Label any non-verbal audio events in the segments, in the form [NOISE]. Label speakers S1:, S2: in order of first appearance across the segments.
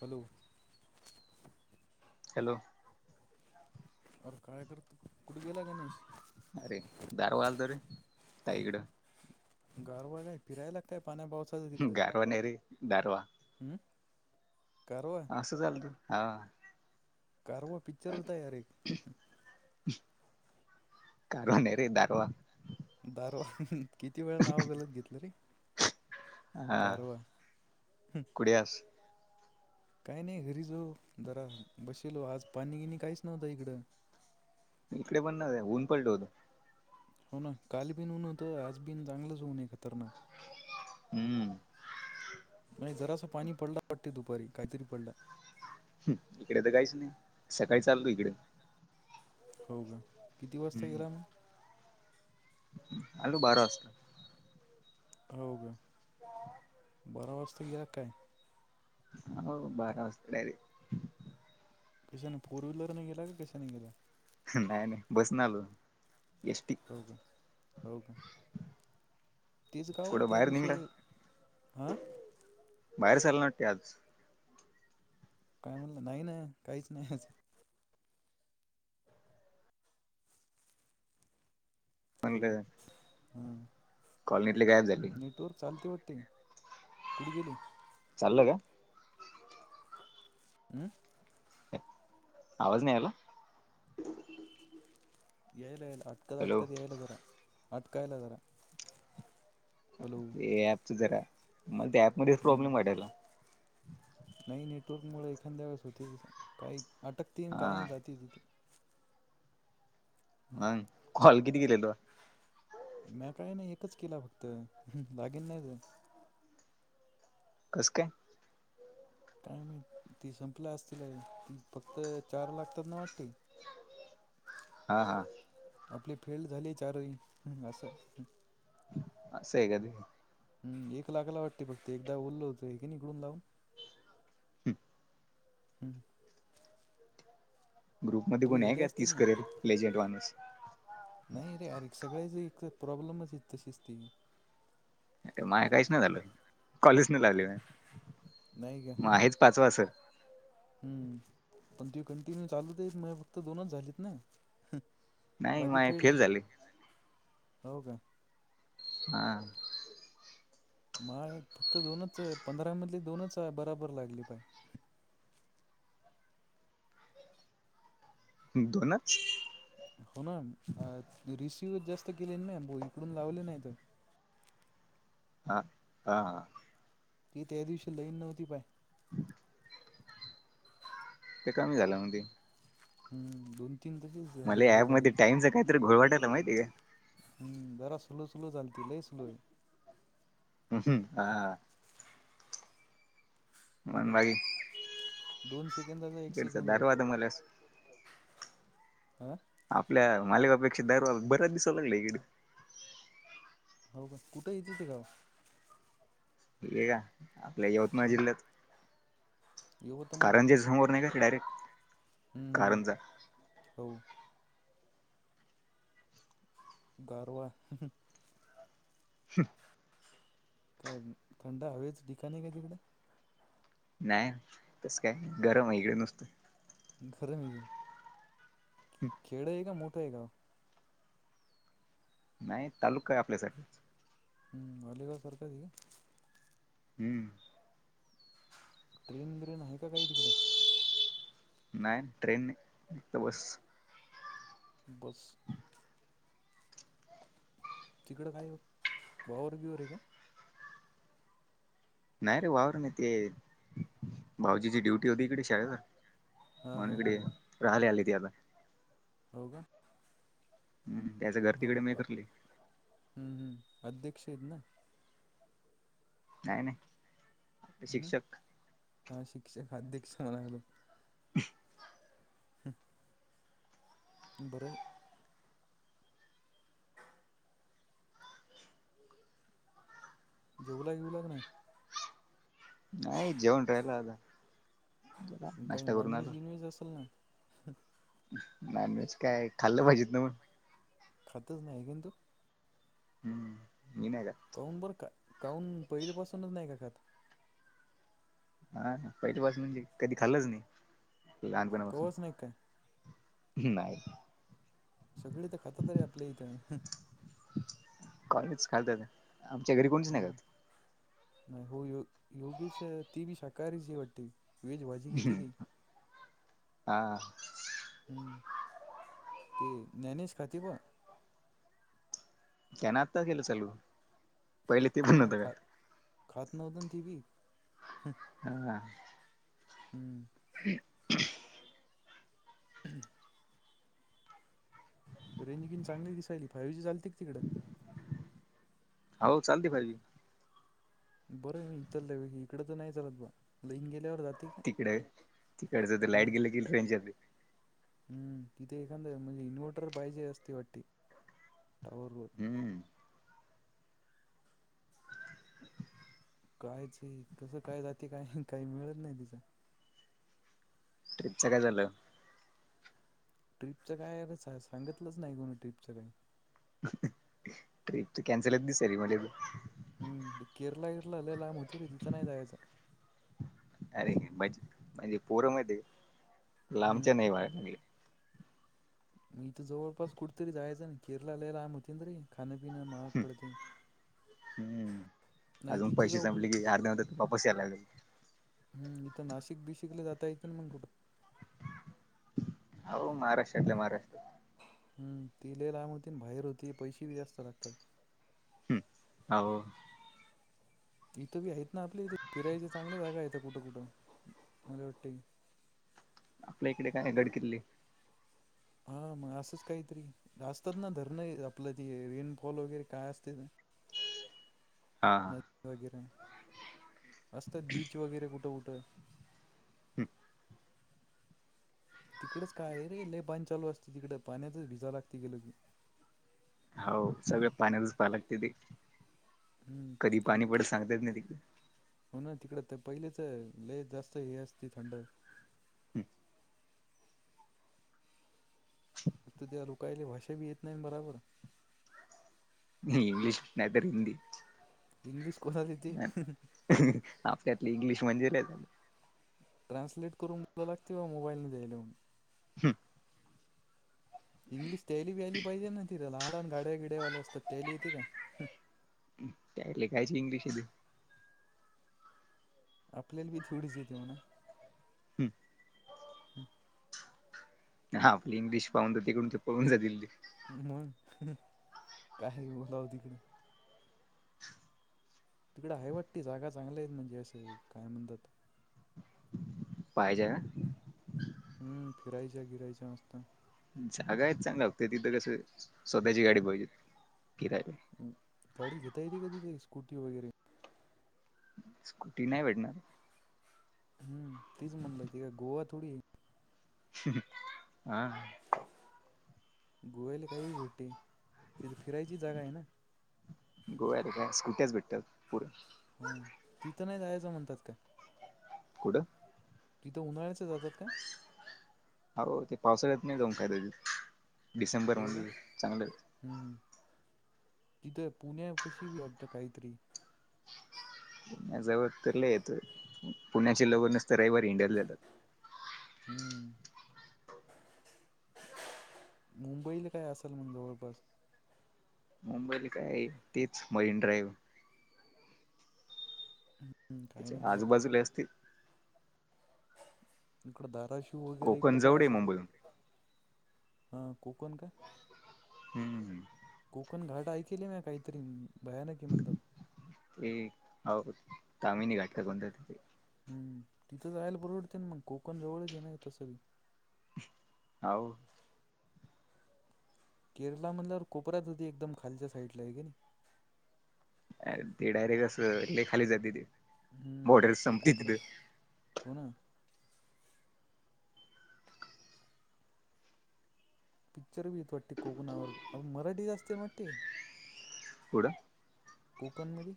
S1: Hello.
S2: Hello.
S1: अरे काळेकरत कुठे गेला गणेश
S2: अरे दारवालत रे ताईकड
S1: गर व फिराय लागतय.
S2: गरवा नरी दरवा
S1: हम्म गारवा
S2: असं चाल तू हा.
S1: करव पिक्चर होतर
S2: करू न रे दारवा
S1: दारवा किती वेळ नाव घालत घेतलं रे.
S2: हह
S1: गारवा
S2: कडयास.
S1: काय नाही घरी जाऊ जरा बसलो आज पाणी गिणी काहीच नव्हतं इकडं.
S2: इकडे पण ना ऊन पल्ट होत.
S1: हो ना काल बिन ऊन होतं आज बि चांगलंच ऊनय खतरनाक
S2: हम्म.
S1: आणि जरास पाणी पडला वाटते दुपारी काहीतरी पडला.
S2: इकडे तर काहीच नाही सकाळी चालतू इकडे
S1: हो का किती वाजता
S2: हम्म
S1: गेला मग
S2: आलो बारा वाजता
S1: हो का?
S2: हो.
S1: बरा वाजता या काय?
S2: हो बारा वाजतला
S1: कशाने फोर व्हीलरने गेला का कशाने गेला.
S2: नाही नाही बसून आलू
S1: हो का हो का. तेच गाव
S2: कुठं
S1: त्या
S2: बाहेर
S1: दिवशी
S2: निघला
S1: हा.
S2: बाहेर चालणारते आज
S1: काय म्हणलं नाही ना काहीच नाहीच. हॅलो हम्.
S2: कॉलनीतली गायब झाली.
S1: कुड गेली.
S2: चालल का?
S1: हम्म.
S2: आवाज नाही आला.
S1: येल येल अटकद
S2: हॅलो
S1: अटकद येल दर अटकयल दार
S2: ते ऍपच जरा मला त्या ऍप मध्ये
S1: हम्म
S2: प्रॉब्लेम वाटायला.
S1: नाही नेटवर्क मुळे एखाद्या वेळेस होती, त काही अटकतील
S2: हा
S1: काय जाती तिथे.
S2: हंग कॉल किती केले तुवा.
S1: काही नाही एकच केला फक्त बाकी नाही.
S2: कसकाय.
S1: कायम ती संपल्या असतीलय फक्त चार लागतात ना वाटते.
S2: हा हा.
S1: आपले फेल्ड झाले चारही असं.
S2: असं हाय ते.
S1: हम् एक लाखाला वाटते फक्त एकदा बोलो होतो की निघडून लावून.
S2: हम.
S1: हम्म.
S2: ग्रुपमध्ये कोण आहे, का तीस करेल लेजंट माणूस.
S1: नाही रे अरे सगळेयाच एक प्रॉब्लेमच आहेत तशीच ती.
S2: माझय काहीच नाही झालं कॉलेज न लागली वा
S1: नाही का
S2: मग आहेच पाचवा अस.
S1: हम्म पण ती कंटिन्यू चालूत म फक्त दोनच झालीत ना हा.
S2: नाही मा फेल झाले.
S1: हो का...
S2: हा...
S1: माळ फक्त दोनच आहे पंधरा मधले दोनच आहे बराबर लागली पाय,
S2: दोनच...
S1: होणार अ ष... वी जास्त केले नाही भा इकडून लावले नाहीत
S2: हा हा हा.
S1: ती त्या दिवशी लईन नव्हती पाय.
S2: [INAUDIBLE] ते कमी झालं म ते.
S1: हम्म दुन.
S2: मले या ॲप मध्ये टाइमच काहीतरी घोळ वाटायला माहितीय का.
S1: हम्म जरा सुलू सुलू चालती लई सुलो आहे.
S2: हम् हा.
S1: हे
S2: मंद
S1: काय
S2: बा
S1: दोन सेकंदाचा एक
S2: कच
S1: सेकंद आहे वाटते
S2: धारवाद मला [UNINTELLIGIBLE]
S1: हं.
S2: आपल्या मालिकापेक्षा दरवा बऱ्याच दिसाव लागला इकडे.
S1: हो कुठे येते ते गाव.
S2: ठीक आहे का आपल्या यवतमाळ
S1: हम्म.
S2: जिल्ह्यात...
S1: यवतमाळ
S2: कारंजे समोर नाही का डायरेक्ट
S1: हम्म हम्म
S2: कारंजा....
S1: हो गारवा....
S2: शे...
S1: काय थंड हवेच ठिकाणी काय तिकड....
S2: नाही तस काय गरम आहे कडे नुसतं
S1: खरं मे... खेडा आहे का मोठा आहे का..
S2: नाही तालुका काय आपल्यासारखच....
S1: हम्म वा काव सरख त
S2: हम्म..
S1: ट्रेन वग्रेन आहे का काही तिकडं...
S2: नाही ट्रेनत बस...
S1: बस... तिकडं काय बावरर बीवर आहे का....
S2: नाही रे वावर नाही ते भाऊजीची ड्युटी होती इकडे शाळेवर...
S1: हा हा
S2: मानकड
S1: हो
S2: राली आलेत्याता..
S1: हो का..
S2: हम् त्याचं घर
S1: हो
S2: तिकडे
S1: का
S2: मैतली...
S1: अछेद ना...
S2: नाही नाही...
S1: हम्म
S2: शिक्षक
S1: हा शिक्षक खाद्य क्षमा लागल...
S2: [UNINTELLIGIBLE]
S1: हम... बरं... जियो लाइन येऊ लाग नाही...
S2: नाही जेवन राहिला होता...
S1: काय नॉन व्हेज गिनव्हेज असेल ना...
S2: नॉन व्हेज काय खाल्लं पाहिजे ना मग...
S1: खातच नाही किनु
S2: हम्म मी नाही का
S1: काहन बर काहन पहिली पाासूनच नाही का खात
S2: हा पहिली पाासून कधी खाल्लच नाही लहानपणापासून
S1: कवाच नाही काय
S2: नाही
S1: सगळी तर खातात रे आपल्या इथं
S2: कॉलेजच खालतात आमच्या घरी कोणीच नाही का
S1: हम्म. नाही हो यो योगेश ती बी शाकाहारीशी वाटते वेज भाजी किती
S2: खात
S1: ती,
S2: हा
S1: हम्म.... ते ज्ञानेश खातिबा...
S2: त्यान आत्ता केल चालू.... पहिले ते पण
S1: हो
S2: नव्हतं
S1: खात
S2: का
S1: खात नव्हत न ते बी....
S2: अ...
S1: हम्म....
S2: [INAUDIBLE]
S1: रेंज किन चांगली दिसायली फायव्ह जी चालते का तिकड?
S2: हाव चालते फाइवजी.
S1: बर म इ इकड तर नाही चालत बा लाईन गेल्यावर रा...
S2: तिकडे तिकडच ते लाईट गेल की रेंज जा...
S1: हम्म, तिथे एखादा म्हणजे इन्व्हर्टर पाहिजे असते वाटते. टॉवर वर....
S2: हम्म
S1: कायेचे कस काय जाते काय काही मिळत नाही तिचा...
S2: ट्रिपच काय झाल?
S1: ट्रिपच काय अता सांगितलच नाही कोणी ट्रिपच काही.
S2: ट्रिप त कॅन्सल च दियाली मल त.
S1: हम्, केरला ऐरला लई लाम होती रे तिथ नाही जायच.
S2: अरे म्हणजे पोर माइति का लांबच्या नाही वा [UNINTELLIGIBLE]
S1: मी इथ जवळपास कुठ तरी जायच ना? केरला लई लाम होतीन रे खाण्या ना मार पडते.
S2: हम्म
S1: नाही
S2: अजून
S1: तिथं
S2: पैसे
S1: जाऊ कुठे
S2: संपले की अर्ध्यावत वापस याय लागल.
S1: हम्म, इथ नाशिक बीषिकले जाता येत ना मग कुठ,
S2: हो महाराष्ट्रटले महाराष्ट्र.
S1: हम् ती लइ लाब होती, बाहेर होती पैसे बी जास्त लागतात.
S2: हम् हाव.
S1: इथं बी आहेत ना आपल्या इथे फिरायच्या चांगल्या जागा आहेत कुठ कुठ मला वाटतेय.
S2: [INAUDIBLE] काय ना गड किल्ले.
S1: हा म असच काहीतरी असतात ना धरण आपल ते रेनफॉल वैगरे काय असते.
S2: [INAUDIBLE] हा
S1: नदी वगैरे. असतात बीच वगैरे कुठ कुठ.
S2: हम
S1: तिकडच काय रे लय [UNINTELLIGIBLE] चालू असते तिकड पाण्यातच भिजा लागते गेल की.
S2: हो सगळ पाण्यात च पा लागत
S1: हम्म तिकड हो ना तिकडते पहिलेच लेइ जास्त हे असती, थंड
S2: ह.
S1: तू त्या रोकायल्या भाषा बी येत नाही बराबर
S2: तिकडे इंग्लिश नाही तर हिंदी.
S1: इंग्लिश कोणाला येते
S2: आपल्यातली इंग्लिश म्हणजि लई
S1: ट्रान्सलेट करून मला लागते मोबाईलने देऊून
S2: हं.
S1: इंग्लिश त्याली बी आली पाहिजे ना तिथ. लहान लहान गाड्या बीड्यावाल्या असतात त्यायली येते का?
S2: त्यायले कायची इंग्लिश येती.
S1: आपल्याला बी तेवडीच येते म्हणा.
S2: हं.
S1: हं.
S2: हा आपली इंग्लिश पावून तर तिकडून ते पळून जातील ते
S1: मग काय बोलाव तिकडं तिकड हायवेवरती जागा चांगल्या आहेत म्हणजे असं काय म्हणतात
S2: पाइजे
S1: हम्म फिरायच्या गिरायच्या मस्त
S2: जागा आहे चांगल्या होगते तिथं कस स्वतःची गाडी पाहिजे किराय
S1: गाडी घेता येते का तिथे स्कूटी वगैरे
S2: स्कुटी नाइ भेटणार
S1: हम्म तीच म्हणल ते गोवा थोडीय
S2: [UNINTELLIGIBLE] आ
S1: गोवाल काही भेटते तिथे फिरायची जागा आहे ना
S2: गोव्यात काय स्कुट्याच भेटत पुर
S1: हं. तिथं नाइ जायचं म्हणतात ते.
S2: कुडं?
S1: तिथ उन्हाळ्याच
S2: हा हो ते पावसाळ्यात नाही जाउन फायदा तिथं.
S1: हो का
S2: डिसेंबरमधी चांगलंय.
S1: हम्म तिथं पुण्या पशी बी वाटत काइतरी.
S2: पुण्या जवळ तर लय येत. पुण्याचे लवर नसत रविवारी हिंडायल जातात.
S1: हं. मुंबईला काय आसल म्हण जवळपास.
S2: मुंबई ला काय? तेच मारीन ड्राईव्ह.
S1: हम्म काही
S2: तिच्या
S1: ना काय असेल
S2: आजूबाजूला असतील.
S1: इकडे धाराशिव वगरे इकड
S2: कोकण
S1: काय
S2: जवळ आहे
S1: असेल?
S2: मुंबईहून
S1: हा कोकण का?
S2: हम्म
S1: कोकोण घाट ऐकेले म्या काइतरी. अं,
S2: ते आव तामिनी घाट का कोणता तरी.
S1: हं. तिथं जायला परवडते ना मग. कोकण जवळच आहे ना तसं बी.
S2: हाव.
S1: केरला म्हनल्यावर कोपऱ्यात येते एकदम खालच्या साईडला हाय का नही?
S2: याल ते डायरेक्ट असं लई खाली जातेय ते.
S1: हम्म
S2: बॉर्डर
S1: इकडं
S2: संपती
S1: कोपरा
S2: तिथं.
S1: हो ना पिक्चर बी ये फोर्टी कोकणावर आप मराठी जास्त मटे.
S2: कुड?
S1: कोकणमदी.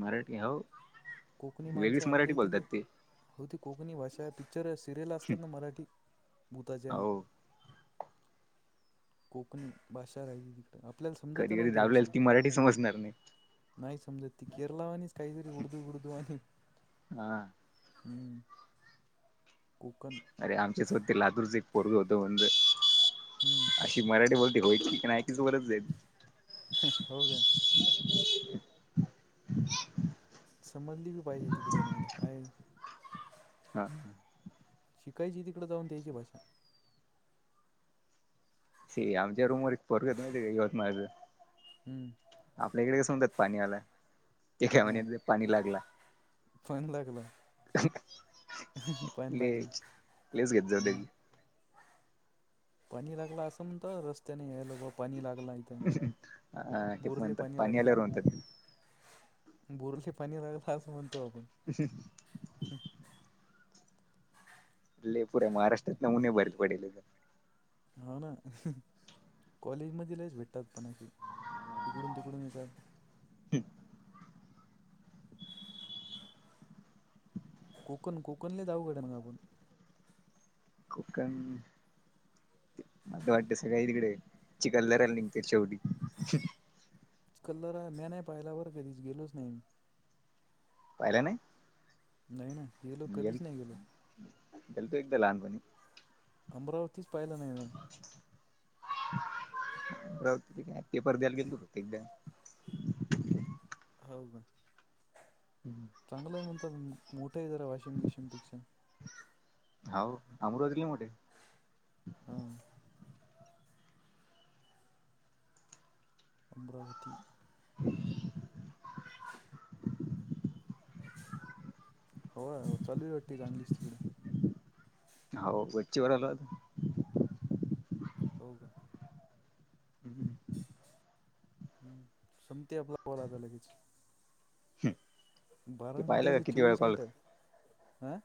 S2: मराटी हाऊ.
S1: कोकणी माणसं आपल्या इथली
S2: ते
S1: होती. कोकणी भाषा होती. तर सिरियल असतात ना मराठी, भूताच्या
S2: हो
S1: कोकणी भाषा राहीली नही.
S2: कदि कदि त आपल्याले ती मराठी समजणार नई.
S1: नाइ समजत. ती केरला वानिच काइतरी उडदू बिडदु वाणी
S2: हा
S1: हं.
S2: अरे आमच्याच होतं ते लातूरच एक पोरग होत. म्हणलं
S1: हम्म
S2: अशी मराठी बोलते होयची. [UNINTELLIGIBLE]
S1: हो काय
S2: [INAUDIBLE]
S1: समजली बी पाहिजे तिकड नाही तर काय
S2: हा
S1: शिकायची तिकडं जाऊन त्याची भाषा
S2: श आमच्या रूमवरर पररकत नाही का यवतमाळचं
S1: हम्म
S2: आपल्या इकडे कस मनतात पाणी आलं ते [UNINTELLIGIBLE] पाणी लागलं
S1: फोन लागलं. पाहिन
S2: लय
S1: लागलं.
S2: लयच घेत जाऊ
S1: हं.
S2: त्याची
S1: पाणी लागला असं म्हणत. रस्त्याने या लोगो पाणी लाग
S2: हा, ते म्हणतात. पाणी आल्यावर म्हणतात ते.
S1: बोरले पाणी लागला असं म्हणतो आपण.
S2: ले पुरे माराष्ट्रात नमुने भरेल पडेलयेतं.
S1: हाऊ ना. कॉलेज मधी लइच भेटतात पण असे. इकडून तिकडून येतात.
S2: [UNINTELLIGIBLE]
S1: कोकण कोकण लईच अवघड ये म्हणा पण.
S2: कोकणी मझ वाटते सगळ तिकडे चिकलद राल ते शेवटी
S1: कल्लर मी नाही पाहिला बरं फेरीच गेलोच नाही मी
S2: पाहिला ना
S1: नाहीय ना गेलो
S2: गल
S1: कधीच नाही गेलो
S2: गलतो एकदा लहानपणी
S1: अमरावतीच पाहिलं नाही म
S2: का ते पद्याला गेल एकदा
S1: हो का चांगलं आहे म्हणत मोठं आहे जरा वॉशिंग मशिंग पिक्चर
S2: अमृवला
S1: हम अमरावती हो हो चालू आहे वाटते चांगलीच तिकडे
S2: हो वरची वल आता
S1: हो का
S2: हम्म
S1: हम् संमती आपला बला आता लगेच
S2: ह
S1: बारा मिनटाची चोवीस मिनिट हं